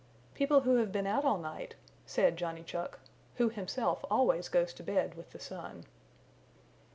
"People who have been out all night," said Johnny Chuck, who himself always goes to bed with the sun.